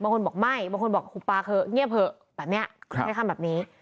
บางคนบอกไม่บางคนบอกหุบปลาเถอะเงียบเถอะแบบนี้ใช้คำแบบนี้